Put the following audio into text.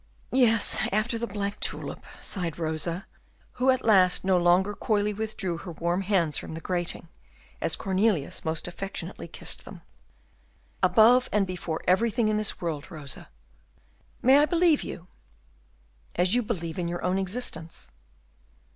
"Yes, after the black tulip," sighed Rosa, who at last no longer coyly withdrew her warm hands from the grating, as Cornelius most affectionately kissed them. "Above and before everything in this world, Rosa." "May I believe you?" "As you believe in your own existence."